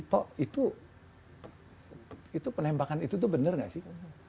tok itu penembakan itu benar tidak sih